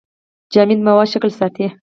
جامد مواد شکل ساتي.